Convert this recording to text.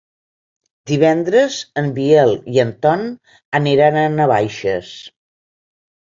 Divendres en Biel i en Ton aniran a Navaixes.